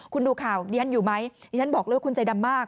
คุณดูข่าวดิฉันอยู่ไหมดิฉันบอกเลยว่าคุณใจดำมาก